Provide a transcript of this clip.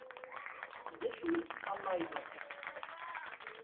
D acu i teṭallayeḍ akka?